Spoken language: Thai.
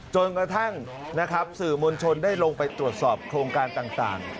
จนกระทั่งนะครับสื่อมวลชนได้ลงไปตรวจสอบโครงการต่าง